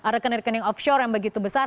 rekan rekan yang offshore yang begitu besar